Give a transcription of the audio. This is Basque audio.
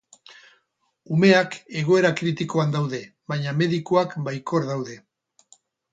Umeak egoera kritikoan daude, baina medikuak baikor daude.